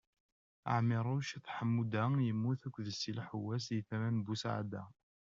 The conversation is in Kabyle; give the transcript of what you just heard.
Ɛmiruc At Ḥemmuda yemmut akked Si Lḥessaw di tama n Busɛada.